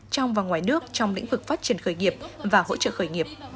trong và ngoài nước trong lĩnh vực phát triển khởi nghiệp và hỗ trợ khởi nghiệp